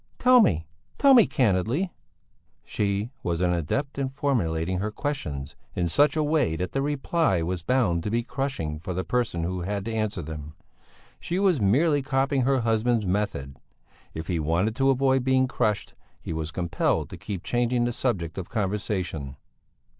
Tell me! Tell me candidly!" She was an adept in formulating her questions in such a way that the reply was bound to be crushing for the person who had to answer them. She was merely copying her husband's method. If he wanted to avoid being crushed, he was compelled to keep changing the subject of conversation.